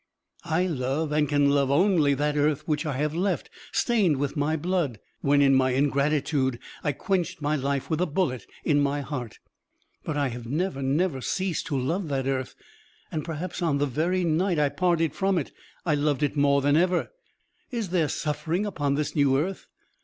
I love and can love only that earth which I have left, stained with my blood, when, in my ingratitude, I quenched my life with a bullet in my heart. But I have never, never ceased to love that earth, and perhaps on the very night I parted from it I loved it more than ever. Is there suffering upon this new earth?